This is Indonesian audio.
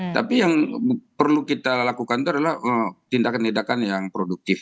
tapi yang perlu kita lakukan itu adalah tindakan tindakan yang produktif